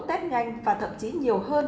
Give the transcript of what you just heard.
test nhanh và thậm chí nhiều hơn